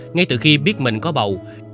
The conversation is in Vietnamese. ngay từ khi biết mình có bầu